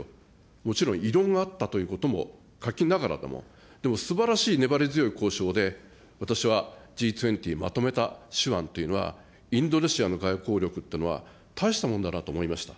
もちろん異論があったということも書きながらでも、でもすばらしい粘り強い交渉で、私はＧ２０まとめた手腕というのは、インドネシアの外交力っていうのは大したもんだなと思いました。